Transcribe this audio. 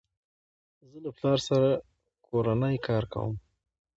زه له پلار سره کورنی کار کوم.